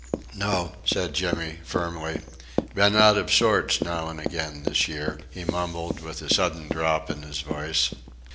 "No," said Jimmy, firmly. "Been out of sorts now and again this year," he mumbled with a sudden drop in his voice.